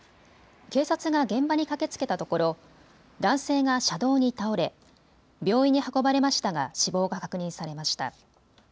警察が現場に駆けつけたところ、男性が車道に倒れ病院に運ばれましたが死亡が確認されました。